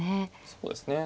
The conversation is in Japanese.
そうですね。